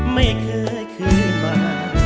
ไม่เคยคืนมา